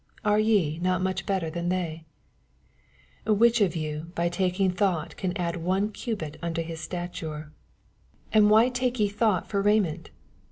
Are ye not much better than they ? 27 Which of yon by taking thought can add one cubit unto his statnre I 28 And why take ye thoaght for raiment?